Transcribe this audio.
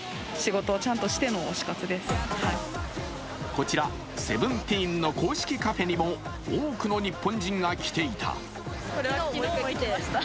こちらＳＥＶＥＮＴＥＥＮの公式カフェにも多くの日本人が来ていた。